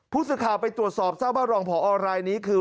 ผู้สื่อข่าวไปตรวจสอบทราบว่ารองผอรายนี้คือ